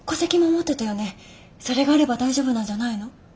それがあれば大丈夫なんじゃないの？